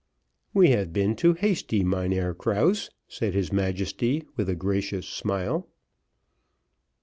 "We have been too hasty, Mynheer Krause," said his Majesty, with a gracious smile.